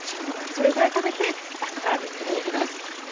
それぐらい食べて朝から元気を出します。